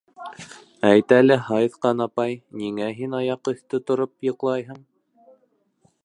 Әйт әле, Һайыҫҡан апай, ниңә һин аяҡ өҫтө тороп йоҡлайһың?